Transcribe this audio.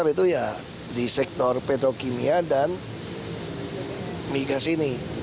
sektor itu ya di sektor petrokimia dan migas ini